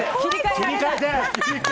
切り替えて！